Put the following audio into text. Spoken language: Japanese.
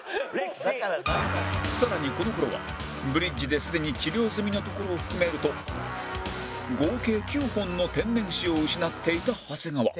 更にこの頃はブリッジですでに治療済みのところを含めると合計９本の天然歯を失っていた長谷川